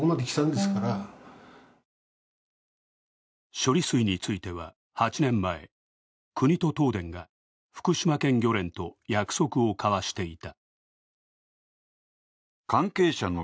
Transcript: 処理水については８年前、国と東電が福島県漁連と約束を交わしていた。